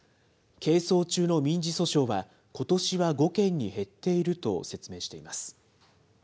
係争中の民事訴訟は、ことしは５件に減っていると説明しています。